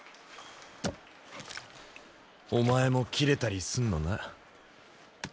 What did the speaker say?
お前もキレたりすんのな。